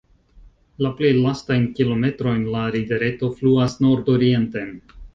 La plej lastajn kilometrojn la rivereto fluas nordorienten.